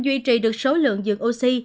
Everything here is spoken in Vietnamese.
duy trì được số lượng dường oxy